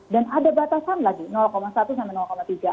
dan ada batasan lagi satu sama tiga